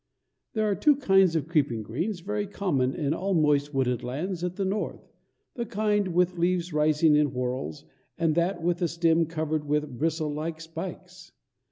There are two kinds of creeping green very common in all moist wooded lands at the North the kind with leaves rising in whorls, and that with a stem covered with bristle like spikes.